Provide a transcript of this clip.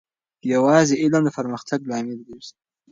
یوازې علم د پرمختګ لامل ګرځي.